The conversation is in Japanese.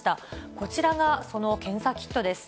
こちらがその検査キットです。